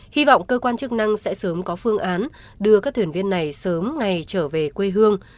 hy vọng cơ quan chức năng sẽ sớm có phương án đưa các thuyền viên này sớm ngày trở về quê hương